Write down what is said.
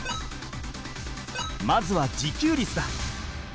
まずは自給率だ。